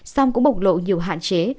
sông cũng bộc lộ nhiều hạn chế